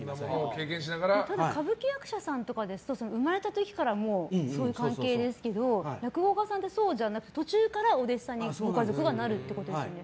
歌舞伎役者さんとかですと生まれた時からそういう関係ですけど落語家さんってそうじゃなくて途中からお弟子さんにご家族がなるということですよね。